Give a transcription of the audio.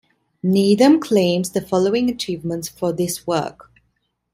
Needham claims the following achievements for this work.